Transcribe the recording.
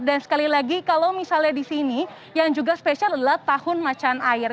dan sekali lagi kalau misalnya di sini yang juga spesial adalah tahun macan air